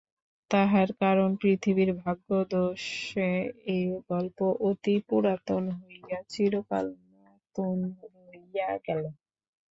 তাহার কারণ পৃথিবীর ভাগ্যদোষে এ গল্প অতিপুরাতন হইয়াও চিরকাল নূতন রহিয়া গেল।